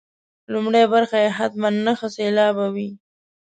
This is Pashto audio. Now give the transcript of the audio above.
لومړۍ برخه یې حتما نهه سېلابه وي.